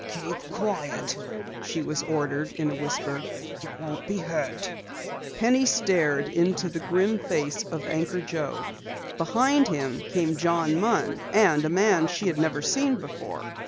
"Keep quiet!" she was ordered in a whisper. "You won't be hurt!" Penny stared into the grim face of Anchor Joe. Behind him came John Munn, and a man she had never seen before.